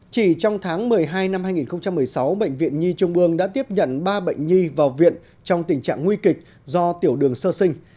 chỉ trong tháng một mươi hai năm hai nghìn một mươi sáu bệnh viện nhi trung ương đã tiếp nhận ba bệnh nhi vào viện trong tình trạng nguy kịch do tiểu đường sơ sinh